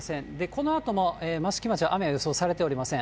このあとも益城町は雨が予想されておりません。